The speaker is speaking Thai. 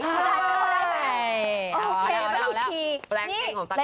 แร้แหละโอเคไม่อีกที